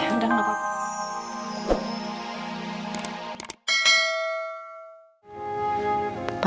udah gak apa apa